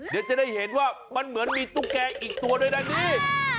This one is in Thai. เดี๋ยวจะได้เห็นว่ามันเหมือนมีตุ๊กแกอีกตัวด้วยนะนี่